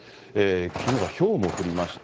きのうはひょうも降りました。